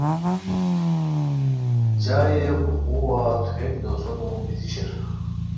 جائے وقوعا تھوویک دوسونو بیتی شیر